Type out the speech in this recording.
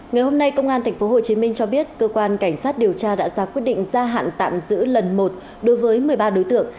ngày hôm nay công an tp hcm cho biết cơ quan cảnh sát điều tra đã ra quyết định gia hạn tạm giữ lần một đối với một mươi ba đối tượng